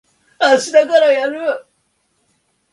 あしたからやる。